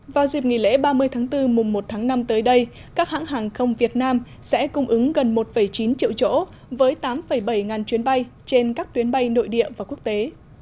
vào dịp nghỉ lễ ba mươi tháng bốn mùng một tháng năm tới đây các hãng hàng không việt nam sẽ cung ứng gần một chín triệu chỗ với tám bảy ngàn chuyến bay trên các tuyến bay nội địa và quốc tế